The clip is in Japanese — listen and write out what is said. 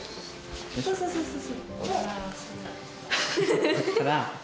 そうそうそうそう。